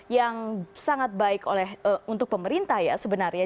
yang sangat baik untuk pemerintah ya sebenarnya